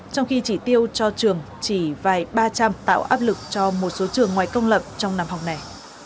trong khi chỉ tiêu cho trường chỉ vài ba trăm linh tạo áp lực cho một số trường ngoài công lập trong năm học này